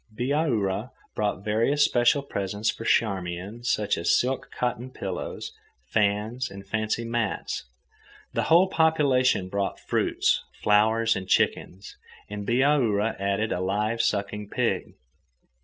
Bihaura brought various special presents for Charmian, such as silk cotton pillows, fans, and fancy mats. The whole population brought fruits, flowers, and chickens. And Bihaura added a live sucking pig.